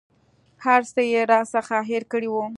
هر څه یې راڅخه هېر کړي وه.